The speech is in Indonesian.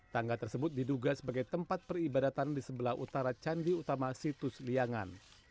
tangga tersebut diduga sebagai tempat peribadatan di sebelah utara candi utama situs liangan